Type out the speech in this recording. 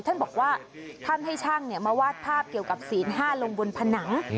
ท่านบอกว่าท่านให้ช่างมาวาดภาพเกี่ยวกับศีล๕ลงบนผนัง